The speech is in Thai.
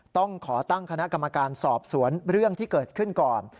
ต้องขอตั้งคณะกรรมการสอบสวนเรื่องที่เกิดขึ้นก่อน